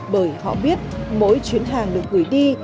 bởi họ biết mỗi chuyến hàng được gửi đi